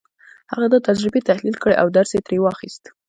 هغه دا تجربې تحليل کړې او درس يې ترې واخيست.